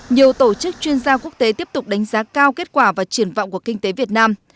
nhiều tổ chức chuyên gia quốc tế tiếp tục đánh giá cao kết quả và triển vọng của kinh tế việt nam